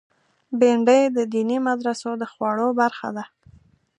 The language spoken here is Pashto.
بېنډۍ د دیني مدرسو د خواړو برخه ده